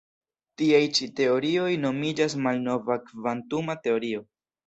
Tiaj ĉi teorioj nomiĝas malnova kvantuma teorio.